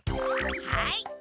はい！